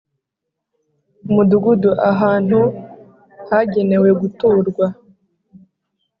umudugudu: ahantu hagenewe guturwa